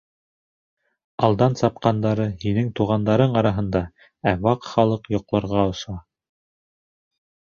Алдан сапҡандары — һинең туғандарың араһында, ә Ваҡ Халыҡ йоҡларға оса.